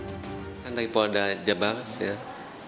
pesan dari polda jabar ya